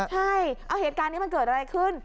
ใช่เอาเหตุการณ์นี้มันเกิดอะไรขึ้น